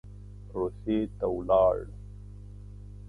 روسیې ته ولاړ.